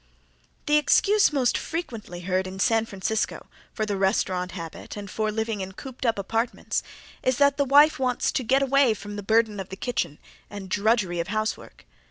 The excuse most frequently heard in San Francisco for the restaurant habit, and for living in cooped up apartments, is that the wife wants to get away from the burden of the kitchen and drudgery of housework.